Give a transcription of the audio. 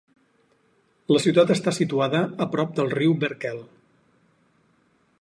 La ciutat està situada a prop del riu Berkel.